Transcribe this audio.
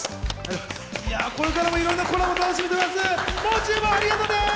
これからもいろんなコラボを楽しみにしています。